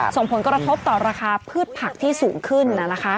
ส่งผลกระทบต่อราคาภืษภักดิ์ที่สูงขึ้นน่ะนะคะ